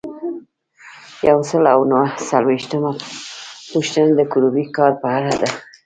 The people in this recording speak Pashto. یو سل او نهه څلویښتمه پوښتنه د ګروپي کار په اړه ده.